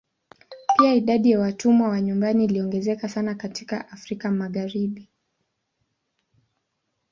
Pia idadi ya watumwa wa nyumbani iliongezeka sana katika Afrika Magharibi.